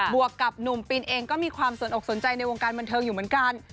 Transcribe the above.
วกกับหนุ่มปินเองก็มีความสนอกสนใจในวงการบันเทิงอยู่เหมือนกัน